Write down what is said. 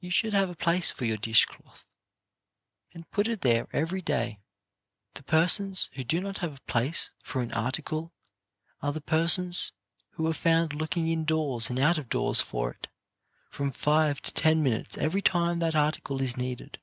You should have a place for your dish cloth, and put it there every day. The persons who do not have a place for an article are the persons who are found looking in doors and out of doors for it, from five to ten minutes every time that article is needed.